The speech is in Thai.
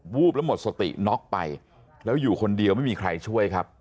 วูบแล้วหมดสติน็อกไปแล้วอยู่คนเดียวไม่มีใครช่วยครับ